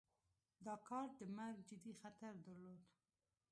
دا کار د مرګ جدي خطر درلود.